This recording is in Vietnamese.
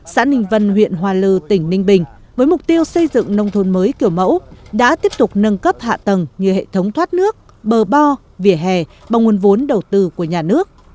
xã ninh vân huyện hòa lư tỉnh ninh bình với mục tiêu xây dựng nông thôn mới kiểu mẫu đã tiếp tục nâng cấp hạ tầng như hệ thống thoát nước bờ bo vỉa hè bằng nguồn vốn đầu tư của nhà nước